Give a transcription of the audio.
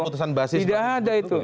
tidak ada itu